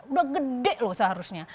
sudah gede loh seharusnya